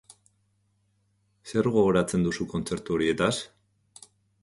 Zer gogoratzen duzu kontzertu horietaz?